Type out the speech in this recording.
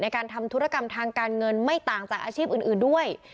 การทำธุรกรรมทางการเงินไม่ต่างจากอาชีพอื่นด้วย